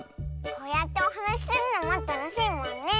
こうやっておはなしするのもたのしいもんね！